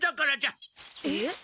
えっ？